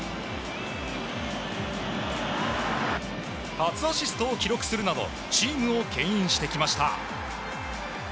初アシストを記録するなどチームをけん引してきました。